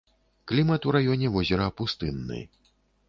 Клімат у раёне возера пустынны.